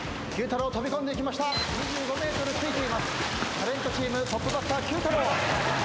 タレントチームトップバッター９太郎。